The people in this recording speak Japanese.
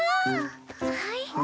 はい。